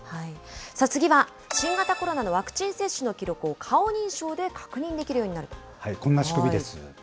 次は、新型コロナのワクチン接種の記録を、顔認証で確認できるようになると。